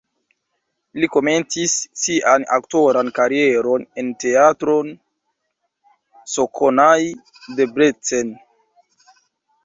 Li komencis sian aktoran karieron en Teatro Csokonai (Debrecen).